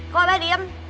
kok abah diam